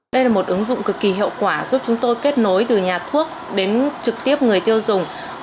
đây là một ứng dụng cực kỳ hiệu quả giúp chúng tôi kết nối từ nhà thuốc đến trực tiếp người tiêu dùng